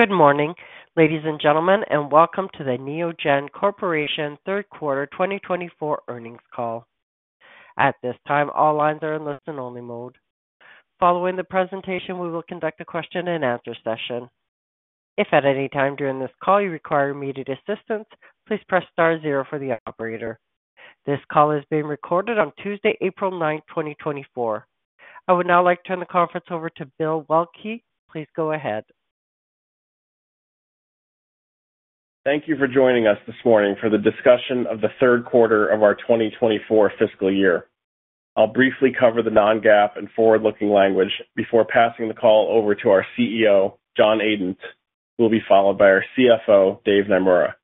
Good morning, ladies and gentlemen, and welcome to the Neogen Corporation third quarter 2024 earnings call. At this time, all lines are in listen-only mode. Following the presentation, we will conduct a question-and-answer session. If at any time during this call you require immediate assistance, please press star zero for the operator. This call is being recorded on Tuesday, April 9th, 2024. I would now like to turn the conference over to Bill Waelke. Please go ahead. Thank you for joining us this morning for the discussion of the third quarter of our 2024 fiscal year. I'll briefly cover the non-GAAP and forward-looking language before passing the call over to our CEO, John Adent, who will be followed by our CFO, Dave Naemura.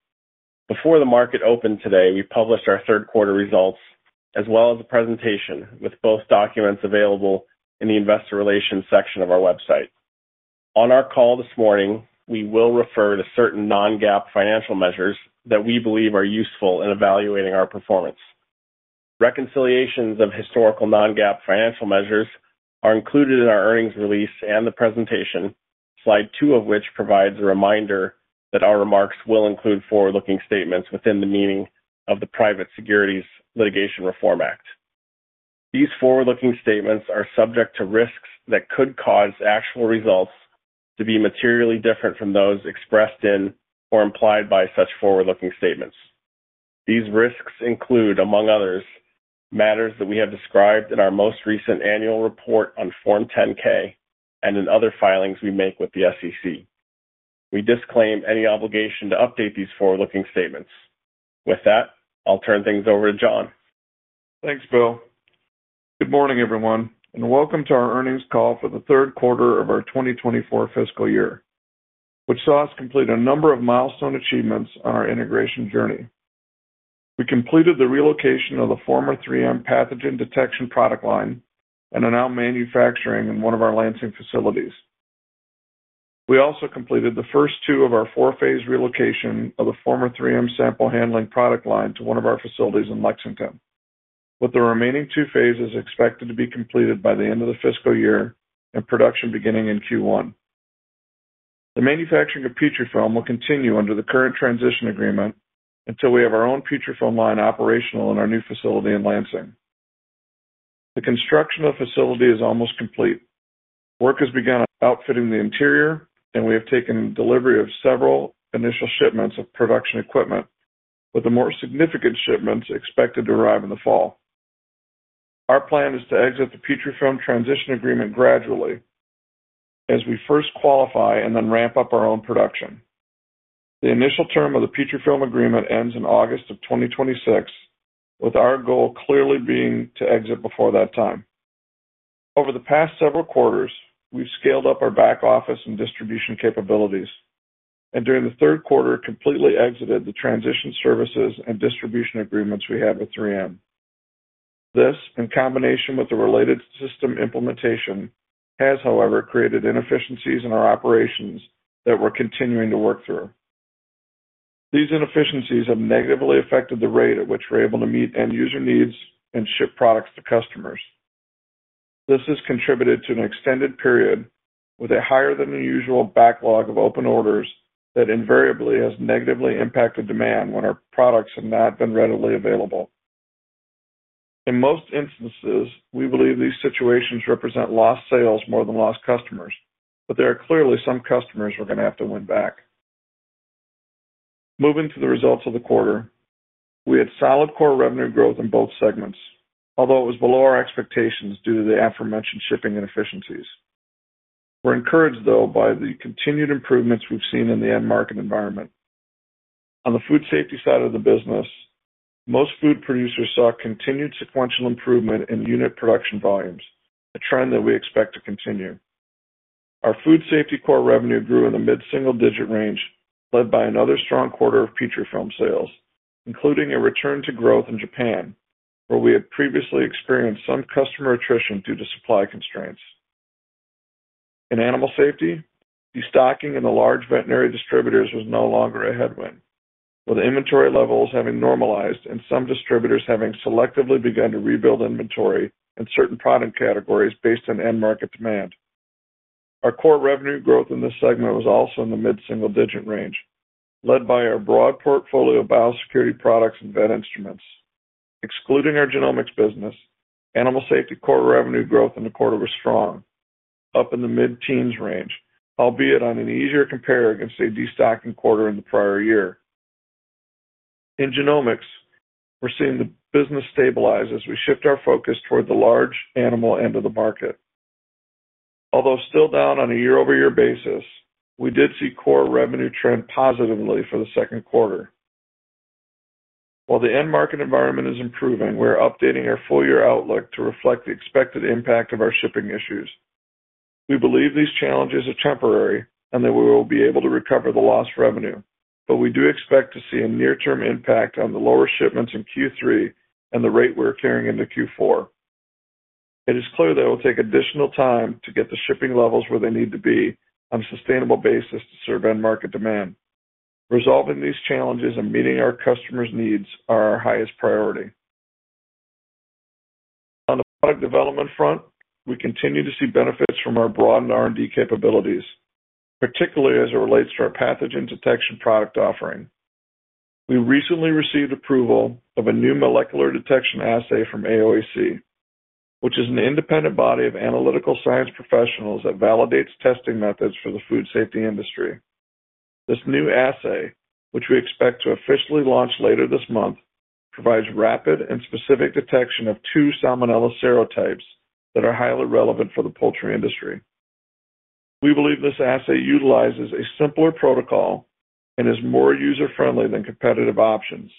Before the market opened today, we published our third quarter results as well as a presentation with both documents available in the investor relations section of our website. On our call this morning, we will refer to certain non-GAAP financial measures that we believe are useful in evaluating our performance. Reconciliations of historical non-GAAP financial measures are included in our earnings release and the presentation, slide 2 of which provides a reminder that our remarks will include forward-looking statements within the meaning of the Private Securities Litigation Reform Act. These forward-looking statements are subject to risks that could cause actual results to be materially different from those expressed in or implied by such forward-looking statements. These risks include, among others, matters that we have described in our most recent annual report on Form 10-K and in other filings we make with the SEC. We disclaim any obligation to update these forward-looking statements. With that, I'll turn things over to John. Thanks, Bill. Good morning, everyone, and welcome to our earnings call for the third quarter of our 2024 fiscal year, which saw us complete a number of milestone achievements on our integration journey. We completed the relocation of the former 3M pathogen detection product line and are now manufacturing in one of our Lansing facilities. We also completed the first two of our four-phase relocation of the former 3M sample handling product line to one of our facilities in Lexington, with the remaining two phases expected to be completed by the end of the fiscal year and production beginning in Q1. The manufacturing of Petrifilm will continue under the current transition agreement until we have our own Petrifilm line operational in our new facility in Lansing. The construction of the facility is almost complete. Work has begun outfitting the interior, and we have taken delivery of several initial shipments of production equipment, with the more significant shipments expected to arrive in the fall. Our plan is to exit the Petrifilm transition agreement gradually as we first qualify and then ramp up our own production. The initial term of the Petrifilm agreement ends in August of 2026, with our goal clearly being to exit before that time. Over the past several quarters, we've scaled up our back office and distribution capabilities, and during the third quarter completely exited the transition services and distribution agreements we have with 3M. This, in combination with the related system implementation, has, however, created inefficiencies in our operations that we're continuing to work through. These inefficiencies have negatively affected the rate at which we're able to meet end-user needs and ship products to customers. This has contributed to an extended period with a higher-than-usual backlog of open orders that invariably has negatively impacted demand when our products have not been readily available. In most instances, we believe these situations represent lost sales more than lost customers, but there are clearly some customers we're going to have to win back. Moving to the results of the quarter, we had solid core revenue growth in both segments, although it was below our expectations due to the aforementioned shipping inefficiencies. We're encouraged, though, by the continued improvements we've seen in the end-market environment. On the food safety side of the business, most food producers saw continued sequential improvement in unit production volumes, a trend that we expect to continue. Our food safety core revenue grew in the mid-single-digit range, led by another strong quarter of Petrifilm sales, including a return to growth in Japan, where we had previously experienced some customer attrition due to supply constraints. In animal safety, destocking in the large veterinary distributors was no longer a headwind, with inventory levels having normalized and some distributors having selectively begun to rebuild inventory in certain product categories based on end-market demand. Our core revenue growth in this segment was also in the mid-single-digit range, led by our broad portfolio of biosecurity products and vet instruments. Excluding our genomics business, animal safety core revenue growth in the quarter was strong, up in the mid-teens range, albeit on an easier compare against a destocking quarter in the prior year. In genomics, we're seeing the business stabilize as we shift our focus toward the large animal end of the market. Although still down on a year-over-year basis, we did see core revenue trend positively for the second quarter. While the end-market environment is improving, we are updating our full-year outlook to reflect the expected impact of our shipping issues. We believe these challenges are temporary and that we will be able to recover the lost revenue, but we do expect to see a near-term impact on the lower shipments in Q3 and the rate we are carrying into Q4. It is clear that it will take additional time to get the shipping levels where they need to be on a sustainable basis to serve end-market demand. Resolving these challenges and meeting our customers' needs are our highest priority. On the product development front, we continue to see benefits from our broadened R&D capabilities, particularly as it relates to our pathogen detection product offering. We recently received approval of a new molecular detection assay from AOAC, which is an independent body of analytical science professionals that validates testing methods for the food safety industry. This new assay, which we expect to officially launch later this month, provides rapid and specific detection of two Salmonella serotypes that are highly relevant for the poultry industry. We believe this assay utilizes a simpler protocol and is more user-friendly than competitive options,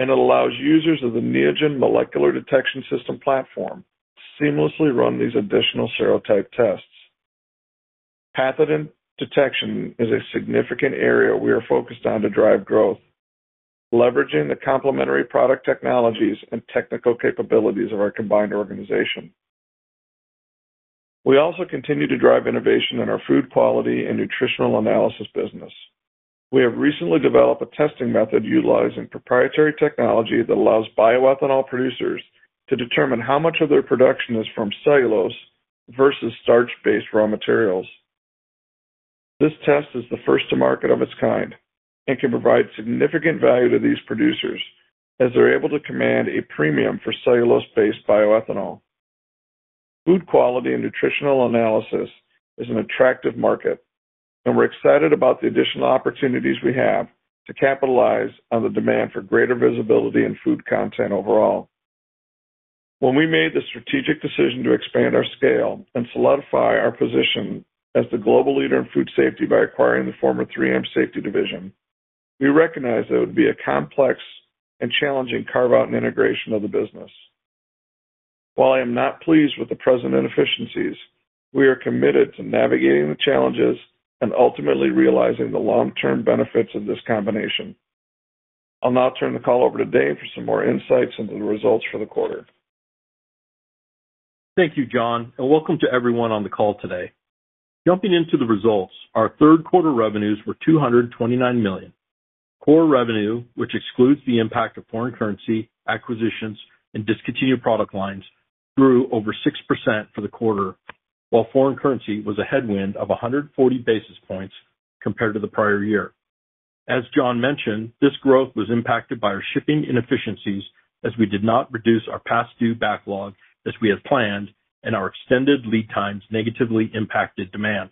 and it allows users of the Neogen Molecular Detection System Platform to seamlessly run these additional serotype tests. Pathogen detection is a significant area we are focused on to drive growth, leveraging the complementary product technologies and technical capabilities of our combined organization. We also continue to drive innovation in our food quality and nutritional analysis business. We have recently developed a testing method utilizing proprietary technology that allows bioethanol producers to determine how much of their production is from cellulose versus starch-based raw materials. This test is the first-to-market of its kind and can provide significant value to these producers as they're able to command a premium for cellulose-based bioethanol. Food quality and nutritional analysis is an attractive market, and we're excited about the additional opportunities we have to capitalize on the demand for greater visibility in food content overall. When we made the strategic decision to expand our scale and solidify our position as the global leader in food safety by acquiring the former 3M safety division, we recognized that it would be a complex and challenging carve-out and integration of the business. While I am not pleased with the present inefficiencies, we are committed to navigating the challenges and ultimately realizing the long-term benefits of this combination. I'll now turn the call over to Dave for some more insights into the results for the quarter. Thank you, John, and welcome to everyone on the call today. Jumping into the results, our third quarter revenues were $229 million. Core revenue, which excludes the impact of foreign currency, acquisitions, and discontinued product lines, grew over 6% for the quarter, while foreign currency was a headwind of 140 basis points compared to the prior year. As John mentioned, this growth was impacted by our shipping inefficiencies as we did not reduce our past-due backlog as we had planned, and our extended lead times negatively impacted demand.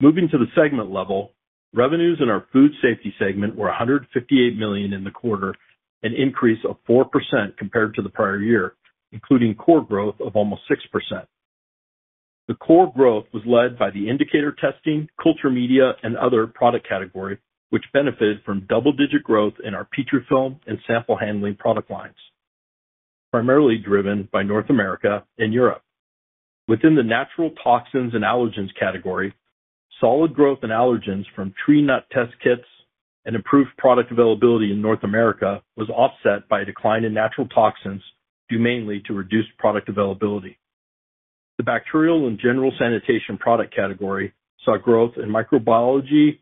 Moving to the segment level, revenues in our food safety segment were $158 million in the quarter, an increase of 4% compared to the prior year, including core growth of almost 6%. The core growth was led by the indicator testing, culture media, and other product category, which benefited from double-digit growth in our Petrifilm and sample handling product lines, primarily driven by North America and Europe. Within the natural toxins and allergens category, solid growth in allergens from tree nut test kits and improved product availability in North America was offset by a decline in natural toxins due mainly to reduced product availability. The bacterial and general sanitation product category saw growth in microbiology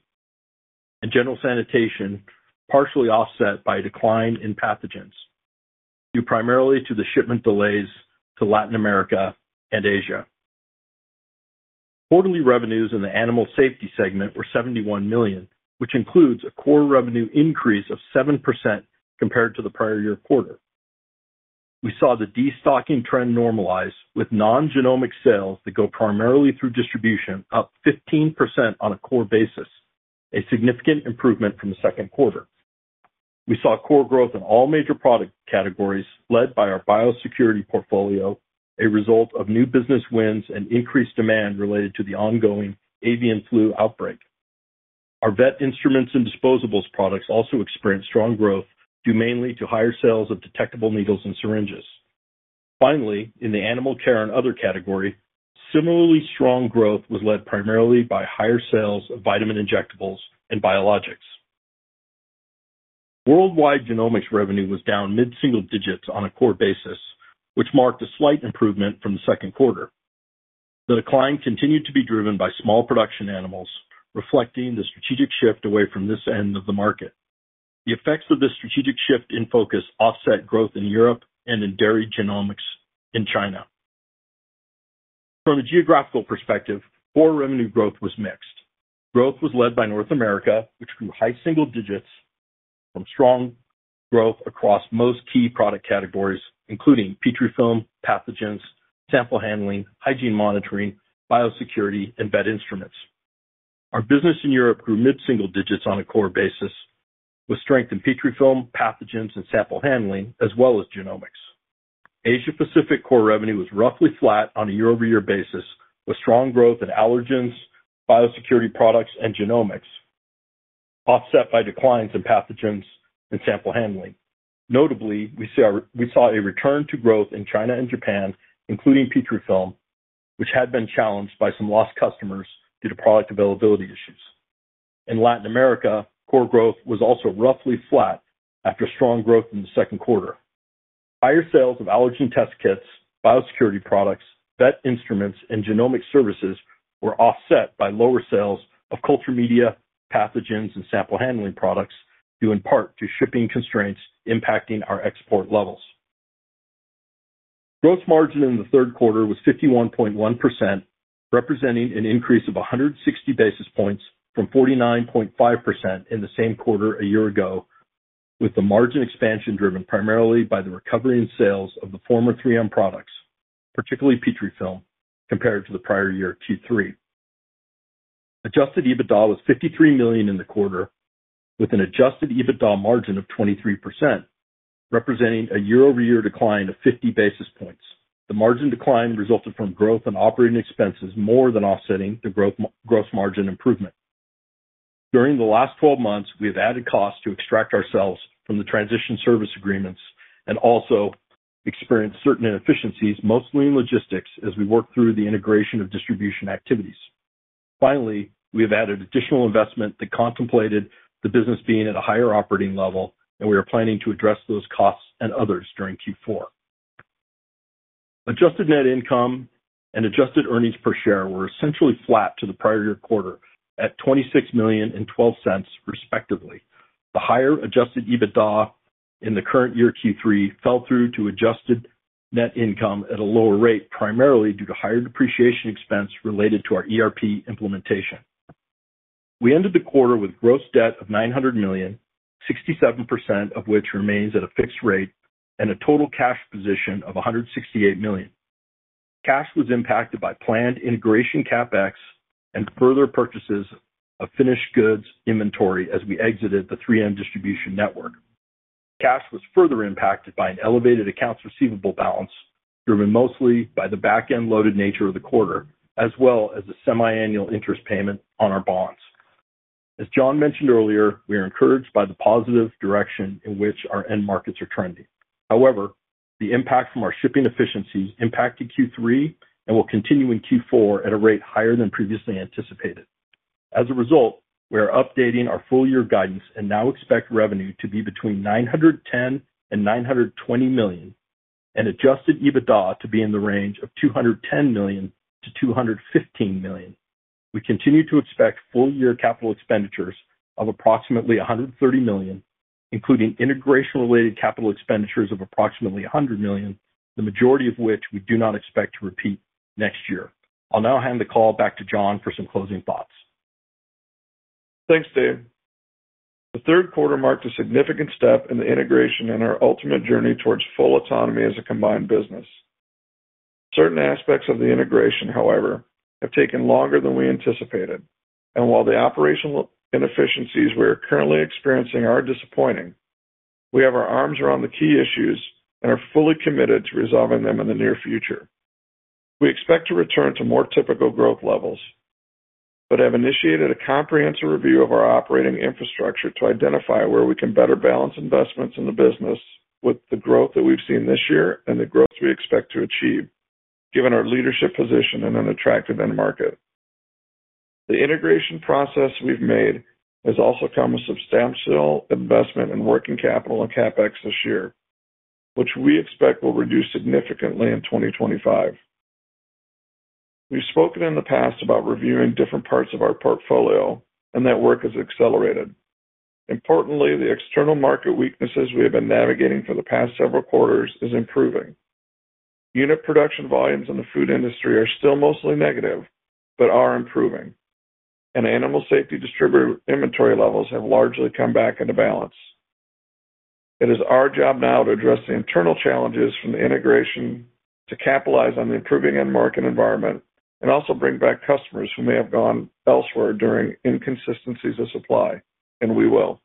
and general sanitation, partially offset by a decline in pathogens, due primarily to the shipment delays to Latin America and Asia. Quarterly revenues in the animal safety segment were $71 million, which includes a core revenue increase of 7% compared to the prior year quarter. We saw the destocking trend normalize with non-genomic sales that go primarily through distribution up 15% on a core basis, a significant improvement from the second quarter. We saw core growth in all major product categories led by our biosecurity portfolio, a result of new business wins and increased demand related to the ongoing avian flu outbreak. Our vet instruments and disposables products also experienced strong growth due mainly to higher sales of detectable needles and syringes. Finally, in the animal care and other category, similarly strong growth was led primarily by higher sales of vitamin injectables and biologics. Worldwide genomics revenue was down mid-single digits on a core basis, which marked a slight improvement from the second quarter. The decline continued to be driven by small production animals, reflecting the strategic shift away from this end of the market. The effects of this strategic shift in focus offset growth in Europe and in dairy genomics in China. From a geographical perspective, core revenue growth was mixed. Growth was led by North America, which grew high single digits from strong growth across most key product categories, including Petrifilm, pathogens, sample handling, hygiene monitoring, biosecurity, and vet instruments. Our business in Europe grew mid-single digits on a core basis with strength in Petrifilm, pathogens, and sample handling, as well as genomics. Asia-Pacific core revenue was roughly flat on a year-over-year basis with strong growth in allergens, biosecurity products, and genomics, offset by declines in pathogens and sample handling. Notably, we saw a return to growth in China and Japan, including Petrifilm, which had been challenged by some lost customers due to product availability issues. In Latin America, core growth was also roughly flat after strong growth in the second quarter. Higher sales of allergen test kits, biosecurity products, vet instruments, and genomic services were offset by lower sales of culture media, pathogens, and sample handling products, due in part to shipping constraints impacting our export levels. Gross margin in the third quarter was 51.1%, representing an increase of 160 basis points from 49.5% in the same quarter a year ago, with the margin expansion driven primarily by the recovery in sales of the former 3M products, particularly Petrifilm, compared to the prior year Q3. Adjusted EBITDA was $53 million in the quarter, with an adjusted EBITDA margin of 23%, representing a year-over-year decline of 50 basis points. The margin decline resulted from growth and operating expenses more than offsetting the gross margin improvement. During the last 12 months, we have added costs to extract ourselves from the transition service agreements and also experienced certain inefficiencies, mostly in logistics, as we work through the integration of distribution activities. Finally, we have added additional investment that contemplated the business being at a higher operating level, and we are planning to address those costs and others during Q4. Adjusted net income and adjusted earnings per share were essentially flat to the prior year quarter at $26 million and $0.12, respectively. The higher adjusted EBITDA in the current year Q3 fell through to adjusted net income at a lower rate, primarily due to higher depreciation expense related to our ERP implementation. We ended the quarter with gross debt of $900 million, 67% of which remains at a fixed rate, and a total cash position of $168 million. Cash was impacted by planned integration CapEx and further purchases of finished goods inventory as we exited the 3M distribution network. Cash was further impacted by an elevated accounts receivable balance, driven mostly by the backend-loaded nature of the quarter, as well as a semi-annual interest payment on our bonds. As John mentioned earlier, we are encouraged by the positive direction in which our end markets are trending. However, the impact from our shipping efficiencies impacted Q3 and will continue in Q4 at a rate higher than previously anticipated. As a result, we are updating our full-year guidance and now expect revenue to be between $910 million-$920 million, and Adjusted EBITDA to be in the range of $210 million-$215 million. We continue to expect full-year capital expenditures of approximately $130 million, including integration-related capital expenditures of approximately $100 million, the majority of which we do not expect to repeat next year. I'll now hand the call back to John for some closing thoughts. Thanks, Dave. The third quarter marked a significant step in the integration and our ultimate journey towards full autonomy as a combined business. Certain aspects of the integration, however, have taken longer than we anticipated, and while the operational inefficiencies we are currently experiencing are disappointing, we have our arms around the key issues and are fully committed to resolving them in the near future. We expect to return to more typical growth levels but have initiated a comprehensive review of our operating infrastructure to identify where we can better balance investments in the business with the growth that we've seen this year and the growth we expect to achieve, given our leadership position in an attractive end market. The integration process we've made has also come with substantial investment in working capital and CapEx this year, which we expect will reduce significantly in 2025. We've spoken in the past about reviewing different parts of our portfolio, and that work has accelerated. Importantly, the external market weaknesses we have been navigating for the past several quarters are improving. Unit production volumes in the food industry are still mostly negative but are improving, and animal safety inventory levels have largely come back into balance. It is our job now to address the internal challenges from the integration to capitalize on the improving end market environment and also bring back customers who may have gone elsewhere during inconsistencies of supply, and we will.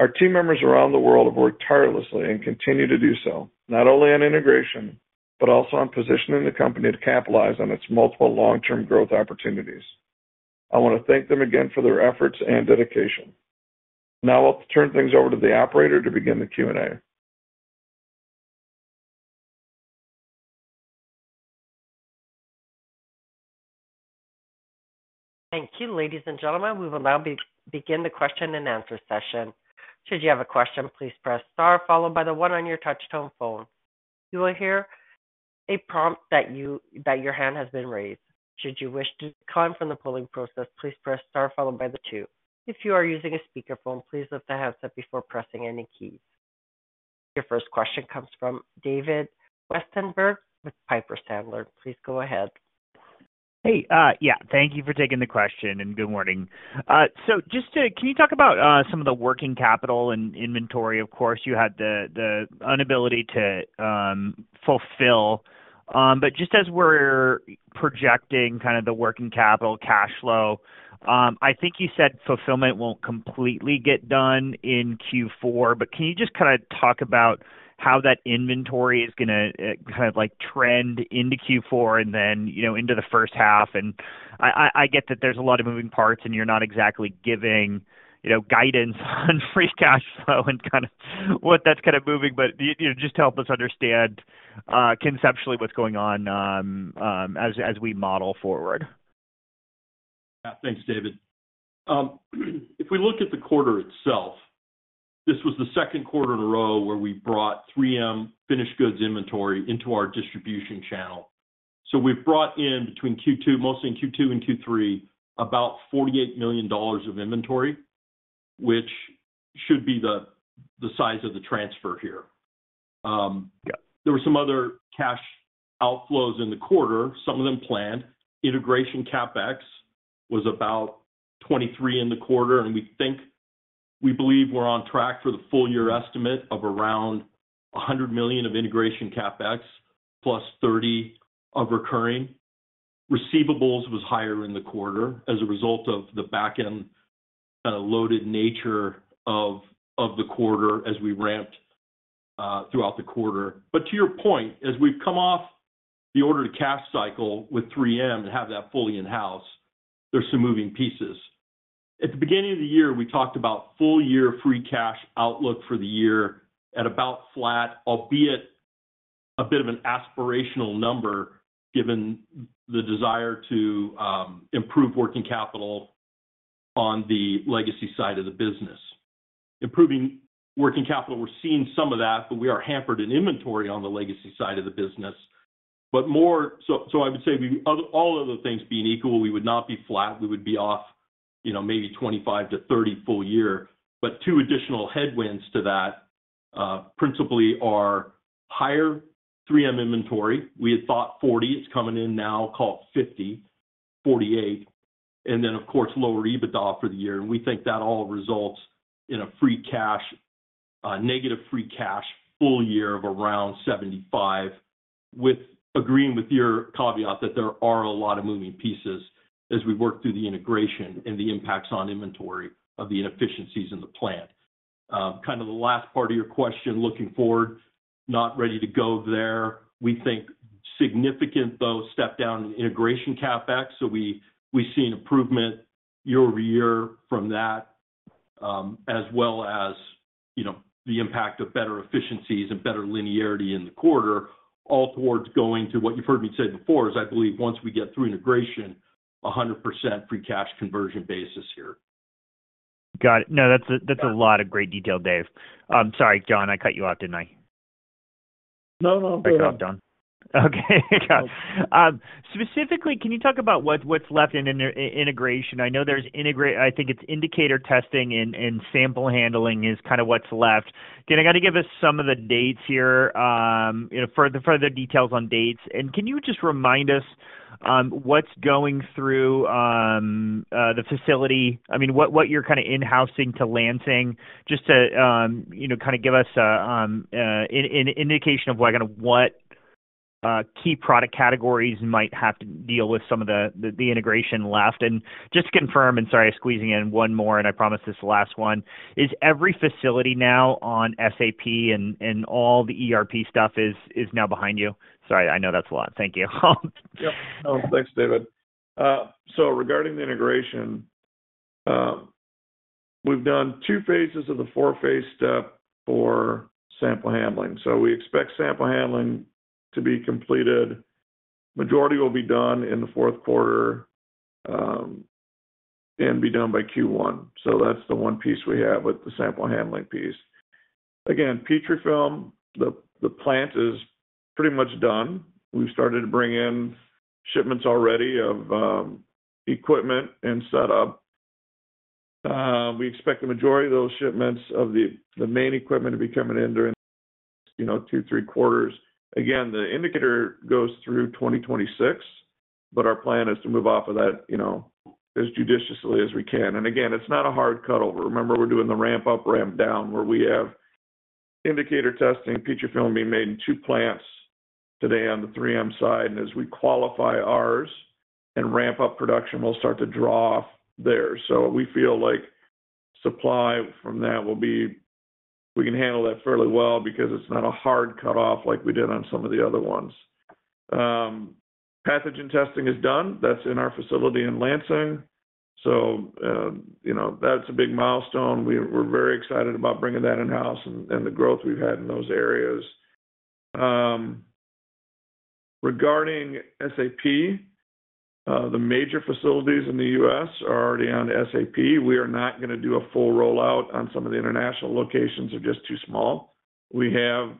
Our team members around the world have worked tirelessly and continue to do so, not only on integration but also on positioning the company to capitalize on its multiple long-term growth opportunities. I want to thank them again for their efforts and dedication. Now I'll turn things over to the operator to begin the Q&A. Thank you, ladies and gentlemen. We will now begin the question and answer session. Should you have a question, please press star, followed by the one on your touchscreen phone. You will hear a prompt that your hand has been raised. Should you wish to decline from the polling process, please press star, followed by the two. If you are using a speakerphone, please lift the handset before pressing any keys. Your first question comes from David Westenberg with Piper Sandler. Please go ahead. Hey. Yeah. Thank you for taking the question, and good morning. So can you talk about some of the working capital and inventory? Of course, you had the inability to fulfill. But just as we're projecting kind of the working capital cash flow, I think you said fulfillment won't completely get done in Q4, but can you just kind of talk about how that inventory is going to kind of trend into Q4 and then into the first half? And I get that there's a lot of moving parts, and you're not exactly giving guidance on free cash flow and kind of what that's kind of moving, but just help us understand conceptually what's going on as we model forward. Yeah. Thanks, David. If we look at the quarter itself, this was the second quarter in a row where we brought 3M finished goods inventory into our distribution channel. So we've brought in, mostly in Q2 and Q3, about $48 million of inventory, which should be the size of the transfer here. There were some other cash outflows in the quarter, some of them planned. Integration CapEx was about $23 million in the quarter, and we believe we're on track for the full-year estimate of around $100 million of integration CapEx plus $30 million of recurring. Receivables was higher in the quarter as a result of the backend kind of loaded nature of the quarter as we ramped throughout the quarter. But to your point, as we've come off the order-to-cash cycle with 3M and have that fully in-house, there's some moving pieces. At the beginning of the year, we talked about full-year free cash outlook for the year at about flat, albeit a bit of an aspirational number given the desire to improve working capital on the legacy side of the business. Improving working capital, we're seeing some of that, but we are hampered in inventory on the legacy side of the business. So I would say all other things being equal, we would not be flat. We would be off maybe $25-$30 full year. But two additional headwinds to that principally are higher 3M inventory. We had thought $40. It's coming in now, call it $50, $48, and then, of course, lower EBITDA for the year. We think that all results in a negative free cash flow full year of around $75 million, agreeing with your caveat that there are a lot of moving pieces as we work through the integration and the impacts on inventory of the inefficiencies in the plant. Kind of the last part of your question, looking forward, not ready to go there. We think significant, though, step down in integration CapEx. So we've seen improvement year-over-year from that, as well as the impact of better efficiencies and better linearity in the quarter, all towards going to what you've heard me say before is, I believe, once we get through integration, 100% free cash conversion basis here. Got it. No, that's a lot of great detail, Dave. Sorry, John, I cut you off, didn't I? No, no, go ahead. I cut off, John. Okay. Got it. Specifically, can you talk about what's left in integration? I know there's integration. I think it's indicator testing and sample handling is kind of what's left. Again, I got to give us some of the dates here, further details on dates. And can you just remind us what's going through the facility? I mean, what you're kind of in-housing to Lansing, just to kind of give us an indication of kind of what key product categories might have to deal with some of the integration left. And just to confirm, and sorry, I'm squeezing in one more, and I promised this last one. Is every facility now on SAP, and all the ERP stuff is now behind you? Sorry, I know that's a lot. Thank you. Yep. No, thanks, David. So regarding the integration, we've done 2 phases of the 4-phase step for sample handling. So we expect sample handling to be completed. The majority will be done in the fourth quarter and be done by Q1. So that's the one piece we have with the sample handling piece. Again, Petrifilm, the plant is pretty much done. We've started to bring in shipments already of equipment and setup. We expect the majority of those shipments of the main equipment to be coming in during 2, 3 quarters. Again, the indicator goes through 2026, but our plan is to move off of that as judiciously as we can. And again, it's not a hard cutover. Remember, we're doing the ramp up, ramp down, where we have indicator testing, Petrifilm being made in two plants today on the 3M side. As we qualify ours and ramp up production, we'll start to draw off there. We feel like supply from that will be we can handle that fairly well because it's not a hard cutoff like we did on some of the other ones. Pathogen testing is done. That's in our facility in Lansing. That's a big milestone. We're very excited about bringing that in-house and the growth we've had in those areas. Regarding SAP, the major facilities in the U.S. are already on SAP. We are not going to do a full rollout on some of the international locations. They're just too small. We have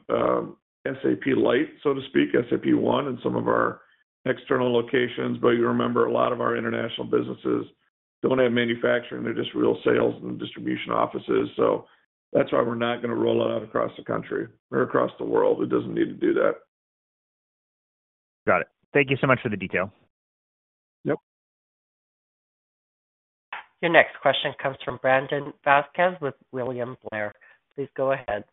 SAP Lite, so to speak, SAP One in some of our external locations. You remember, a lot of our international businesses don't have manufacturing. They're just real sales and distribution offices. So that's why we're not going to roll it out across the country or across the world. It doesn't need to do that. Got it. Thank you so much for the detail. Yep. Your next question comes from Brandon Vazquez with William Blair. Please go ahead.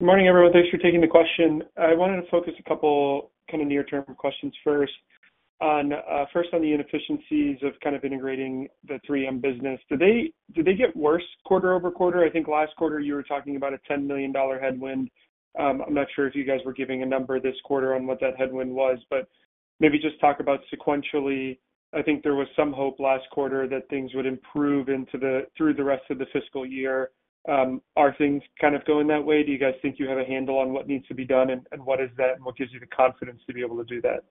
Good morning, everyone. Thanks for taking the question. I wanted to focus a couple kind of near-term questions first, first on the inefficiencies of kind of integrating the 3M business. Did they get worse quarter over quarter? I think last quarter, you were talking about a $10 million headwind. I'm not sure if you guys were giving a number this quarter on what that headwind was, but maybe just talk about sequentially. I think there was some hope last quarter that things would improve through the rest of the fiscal year. Are things kind of going that way? Do you guys think you have a handle on what needs to be done, and what is that, and what gives you the confidence to be able to do that?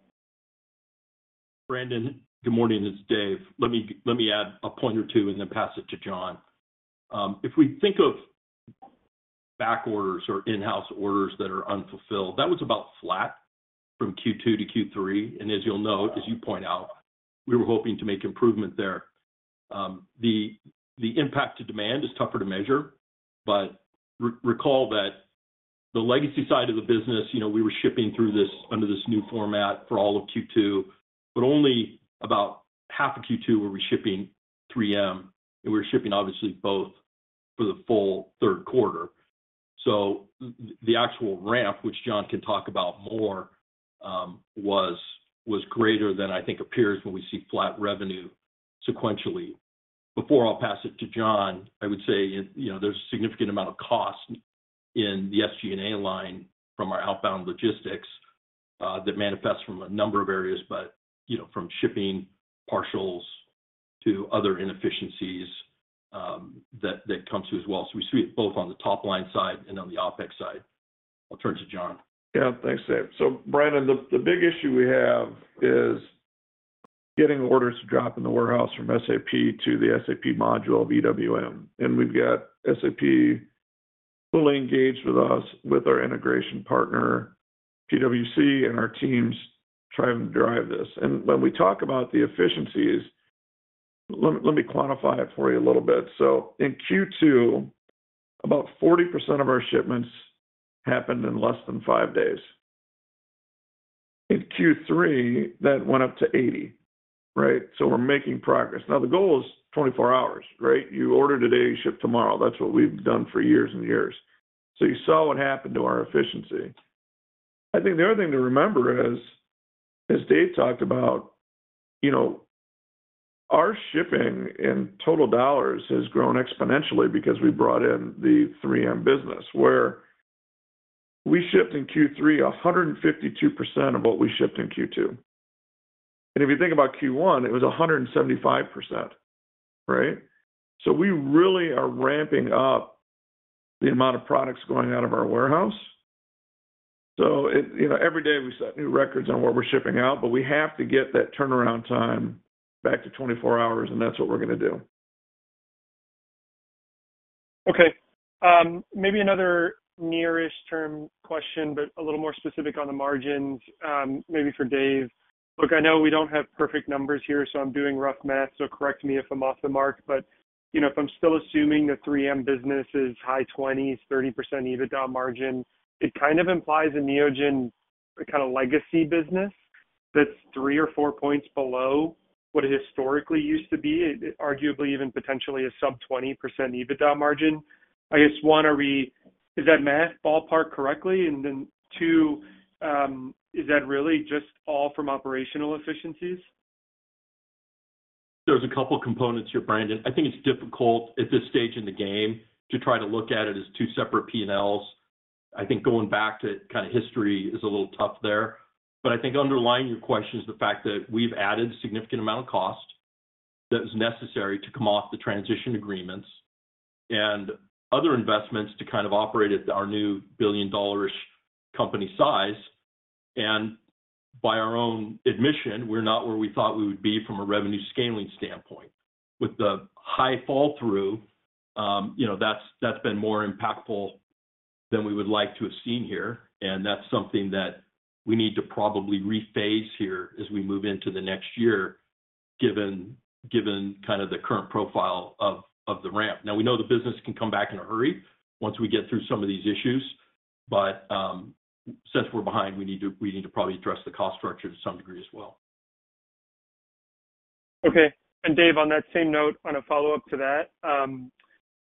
Brandon, good morning. It's Dave. Let me add a point or two and then pass it to John. If we think of back orders or in-house orders that are unfulfilled, that was about flat from Q2 to Q3. As you'll note, as you point out, we were hoping to make improvement there. The impact to demand is tougher to measure, but recall that the legacy side of the business, we were shipping through this under this new format for all of Q2, but only about half of Q2 were we shipping 3M, and we were shipping, obviously, both for the full third quarter. The actual ramp, which John can talk about more, was greater than, I think, appears when we see flat revenue sequentially. Before I'll pass it to John, I would say there's a significant amount of cost in the SG&A line from our outbound logistics that manifests from a number of areas, but from shipping partials to other inefficiencies that comes through as well. We see it both on the top line side and on the OpEx side. I'll turn to John. Yeah. Thanks, Dave. So Brandon, the big issue we have is getting orders to drop in the warehouse from SAP to the SAP module of EWM. We've got SAP fully engaged with our integration partner, PwC, and our teams trying to drive this. When we talk about the efficiencies, let me quantify it for you a little bit. So in Q2, about 40% of our shipments happened in less than five days. In Q3, that went up to 80%, right? So we're making progress. Now, the goal is 24 hours, right? You order today, you ship tomorrow. That's what we've done for years and years. So you saw what happened to our efficiency. I think the other thing to remember is, as Dave talked about, our shipping in total dollars has grown exponentially because we brought in the 3M business, where we shipped in Q3 152% of what we shipped in Q2. And if you think about Q1, it was 175%, right? So we really are ramping up the amount of products going out of our warehouse. So every day, we set new records on what we're shipping out, but we have to get that turnaround time back to 24 hours, and that's what we're going to do. Okay. Maybe another near-ish term question, but a little more specific on the margins, maybe for Dave. Look, I know we don't have perfect numbers here, so I'm doing rough math, so correct me if I'm off the mark. But if I'm still assuming the 3M business is high 20s, 30% EBITDA margin, it kind of implies a Neogen kind of legacy business that's three or four points below what it historically used to be, arguably even potentially a sub-20% EBITDA margin. I guess, 1, is that math ballpark correctly? Then, two, is that really just all from operational efficiencies? There's a couple of components here, Brandon. I think it's difficult at this stage in the game to try to look at it as two separate P&Ls. I think going back to kind of history is a little tough there. But I think underlying your question is the fact that we've added a significant amount of cost that was necessary to come off the transition agreements and other investments to kind of operate at our new billion-dollar-ish company size. And by our own admission, we're not where we thought we would be from a revenue scaling standpoint. With the high fall-through, that's been more impactful than we would like to have seen here. And that's something that we need to probably rephase here as we move into the next year, given kind of the current profile of the ramp. Now, we know the business can come back in a hurry once we get through some of these issues. But since we're behind, we need to probably address the cost structure to some degree as well. Okay. And Dave, on that same note, on a follow-up to that,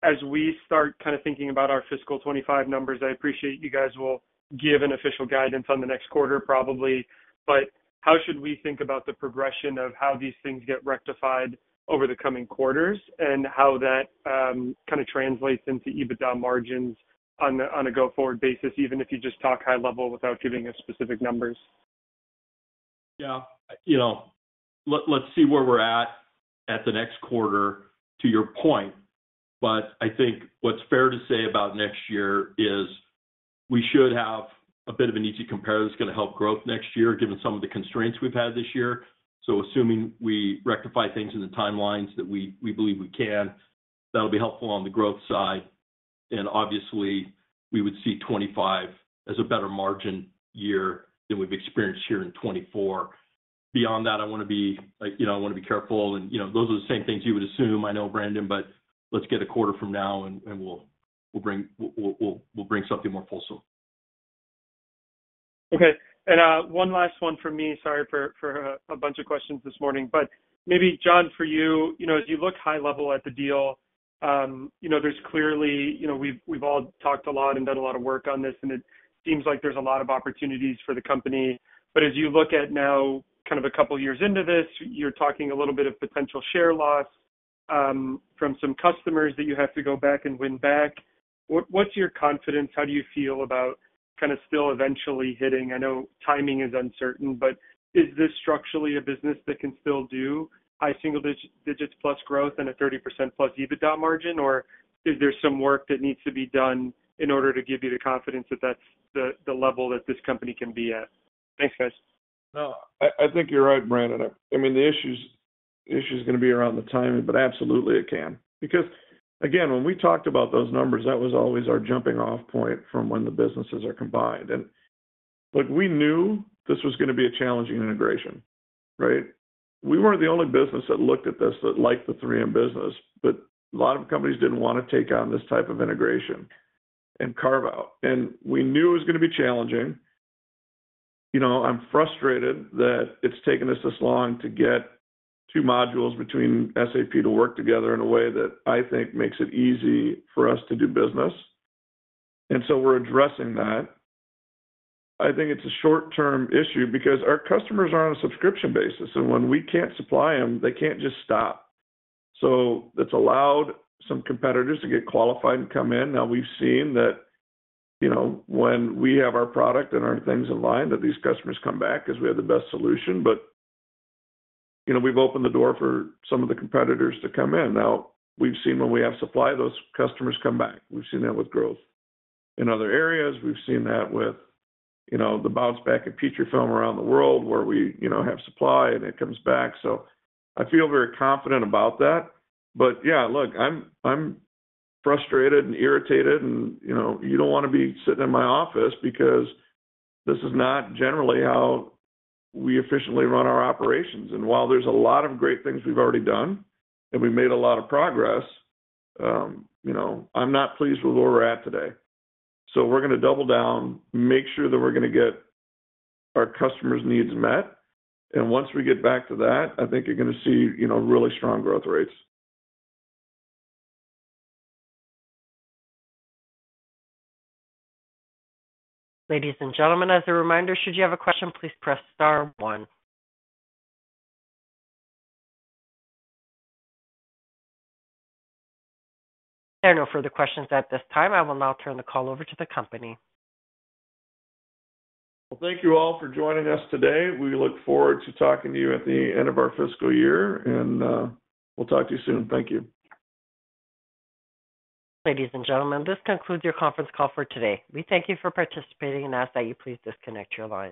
as we start kind of thinking about our fiscal 2025 numbers, I appreciate you guys will give an official guidance on the next quarter, probably. But how should we think about the progression of how these things get rectified over the coming quarters and how that kind of translates into EBITDA margins on a go-forward basis, even if you just talk high level without giving us specific numbers? Yeah. Let's see where we're at at the next quarter, to your point. But I think what's fair to say about next year is we should have a bit of an easy compare that's going to help growth next year, given some of the constraints we've had this year. So assuming we rectify things in the timelines that we believe we can, that'll be helpful on the growth side. And obviously, we would see 2025 as a better margin year than we've experienced here in 2024. Beyond that, I want to be I want to be careful. And those are the same things you would assume. I know, Brandon, but let's get a quarter from now, and we'll bring something more wholesome. Okay. And one last one from me. Sorry for a bunch of questions this morning. But maybe, John, for you, as you look high level at the deal, there's clearly we've all talked a lot and done a lot of work on this, and it seems like there's a lot of opportunities for the company. But as you look at now, kind of a couple of years into this, you're talking a little bit of potential share loss from some customers that you have to go back and win back. What's your confidence? How do you feel about kind of still eventually hitting? I know timing is uncertain, but is this structurally a business that can still do high single-digit+ growth and a 30%+ EBITDA margin, or is there some work that needs to be done in order to give you the confidence that that's the level that this company can be at? Thanks, guys. No, I think you're right, Brandon. I mean, the issue is going to be around the timing, but absolutely, it can. Because again, when we talked about those numbers, that was always our jumping-off point from when the businesses are combined. And look, we knew this was going to be a challenging integration, right? We weren't the only business that looked at this that liked the 3M business, but a lot of companies didn't want to take on this type of integration and carve out. And we knew it was going to be challenging. I'm frustrated that it's taken us this long to get two modules between SAP to work together in a way that I think makes it easy for us to do business. So we're addressing that. I think it's a short-term issue because our customers are on a subscription basis. And when we can't supply them, they can't just stop. So that's allowed some competitors to get qualified and come in. Now, we've seen that when we have our product and our things in line, that these customers come back because we have the best solution. But we've opened the door for some of the competitors to come in. Now, we've seen when we have supply, those customers come back. We've seen that with growth in other areas. We've seen that with the bounce back of Petrifilm around the world, where we have supply, and it comes back. So I feel very confident about that. But yeah, look, I'm frustrated and irritated. And you don't want to be sitting in my office because this is not generally how we efficiently run our operations. And while there's a lot of great things we've already done and we've made a lot of progress, I'm not pleased with where we're at today. So we're going to double down, make sure that we're going to get our customers' needs met. And once we get back to that, I think you're going to see really strong growth rates. Ladies and gentlemen, as a reminder, should you have a question, please press star one. There are no further questions at this time. I will now turn the call over to the company. Well, thank you all for joining us today. We look forward to talking to you at the end of our fiscal year, and we'll talk to you soon. Thank you. Ladies and gentlemen, this concludes your conference call for today. We thank you for participating and ask that you please disconnect your line.